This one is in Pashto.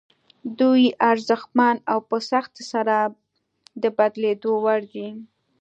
دوی ارزښتمن او په سختۍ سره د بدلېدو وړ دي.